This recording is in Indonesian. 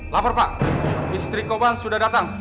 laper pak istri koban sudah datang